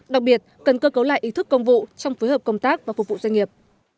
đặc biệt cần cơ cấu lại ý thức công vụ trong phối hợp công tác và phục vụ doanh nghiệp